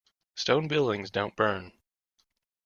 Stone buildings don't burn.